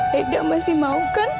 aida masih mau kan